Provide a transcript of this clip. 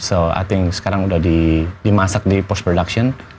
so i think sekarang udah dimasak di post production